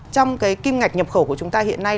trong cái kim ngạch nhập khẩu của chúng ta hiện nay